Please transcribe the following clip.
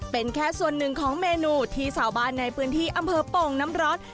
เป็นแค่ส่วนหนึ่งของเมนูที่ชาวบ้านในพื้นที่อำเภอโป่งน้ำร้อน